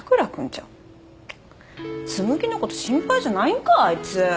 紬のこと心配じゃないんかあいつ。